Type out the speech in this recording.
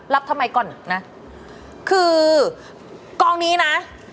ทำไมก่อนนะคือกองนี้นะ